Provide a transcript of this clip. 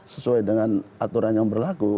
sesuai dengan aturan yang berlaku